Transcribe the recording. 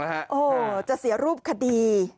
ก็จะเสียรูปคดี